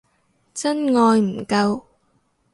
真愛唔夠